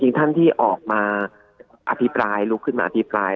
ท่านที่ออกมาอภิปรายลุกขึ้นมาอภิปราย